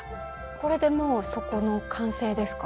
これでもう底の完成ですか？